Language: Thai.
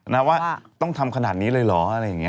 นะว่าต้องทำขนาดนี้เลยเหรออะไรอย่างนี้